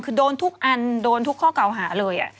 คือโดนทุกอันโดนทุกข้อเก่าหาเลย